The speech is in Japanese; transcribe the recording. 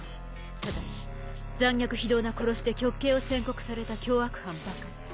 ただし残虐非道な殺しで極刑を宣告された凶悪犯ばかり。